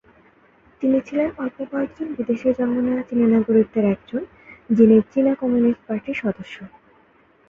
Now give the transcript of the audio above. তিনি ছিলেন অল্প কয়েকজন বিদেশে-জন্ম নেয়া চীনা নাগরিকদের একজন যিনি চীনের কমিউনিস্ট পার্টির সদস্য।